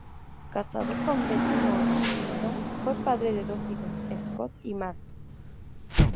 Casado con Betty Moore Grissom, fue padre de dos hijos, Scott y Mark.